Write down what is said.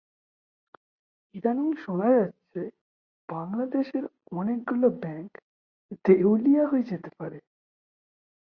ইদানীং শোনা যাচ্ছে বাংলাদেশের অনেকগুলো ব্যাংক দেউলিয়া হয়ে যেতে পারে।